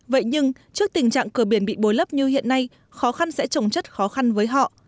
vậy nhưng trước tình trạng cửa biển bị bối lấp như hiện nay khó khăn sẽ trồng chất khó khăn với họ